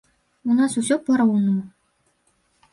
У нас усё па-роўнаму.